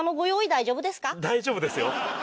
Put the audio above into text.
大丈夫です。